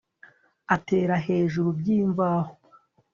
Atera hejuru byimvaho